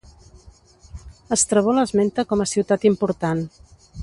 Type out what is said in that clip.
Estrabó l'esmenta com a ciutat important.